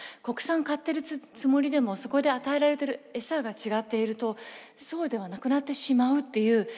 国産買ってるつもりでもそこで与えられてるエサが違っているとそうではなくなってしまうっていう。